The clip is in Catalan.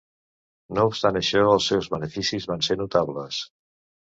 No obstant això, els seus beneficis van ser notables.